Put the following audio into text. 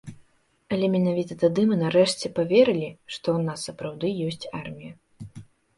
Але менавіта тады мы нарэшце паверылі, што ў нас сапраўды ёсць армія.